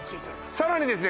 さらにですね